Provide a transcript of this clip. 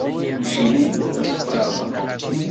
Ŝi ne estas prava.